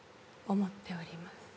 思っております。